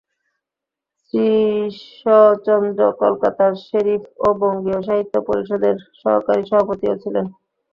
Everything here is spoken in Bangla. শ্রীশচন্দ্র কলকাতার শেরিফ ও বঙ্গীয় সাহিত্য পরিষদের সহকারী সভাপতি ও ছিলেন।